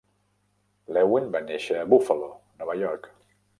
Lewin va néixer a Buffalo, Nova York.